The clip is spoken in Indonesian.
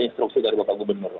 instruksi dari pak gubernur